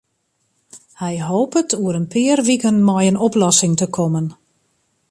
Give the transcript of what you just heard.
Hy hopet oer in pear wiken mei in oplossing te kommen.